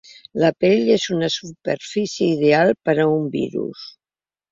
La pell és una superfície ideal per a un virus!